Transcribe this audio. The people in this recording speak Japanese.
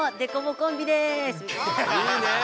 いいね！